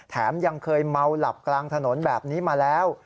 ยังเคยเมาหลับกลางถนนแบบนี้มาแล้ว